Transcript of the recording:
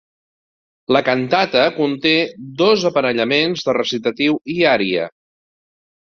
La cantata conté dos aparellaments de recitatiu i ària.